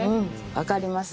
わかります。